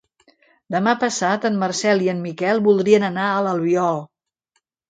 Demà passat en Marcel i en Miquel voldrien anar a l'Albiol.